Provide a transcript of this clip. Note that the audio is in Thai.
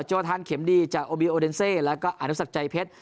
โอทานเข็มดีจากโอบีโอเดนเซแล้วก็อนุสักใจเพชร